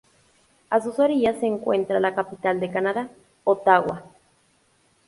A sus orillas se encuentra la capital de Canadá, Ottawa.